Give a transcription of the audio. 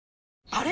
あれ？